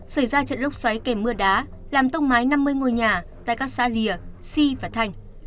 xảy ra trận lốc xoáy kèm mưa đá làm tông mái năm mươi ngôi nhà tại các xã lìa si và thành